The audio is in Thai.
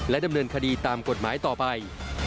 ดำเนินคดีตามกฎหมายต่อไป